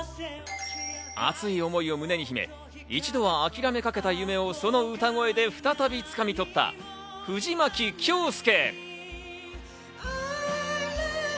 熱い思いを胸に秘め一度は諦めかけた夢をその歌声で再び掴み取った藤牧京介。